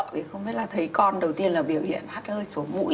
vì không biết là thấy con đầu tiên là biểu hiện hát hơi sổ mũi